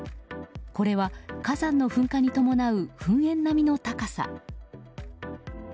これは、火山の噴火に伴う噴煙並みの高さ。